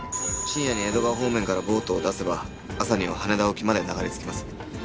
深夜に江戸川方面からボートを出せば朝には羽田沖まで流れ着きます。